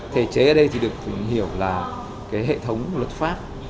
thể chế ở đây thì được hiểu là cái hệ thống luật pháp